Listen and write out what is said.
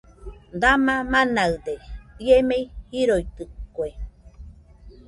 !Dama manaɨde¡ ie mei jiroitɨke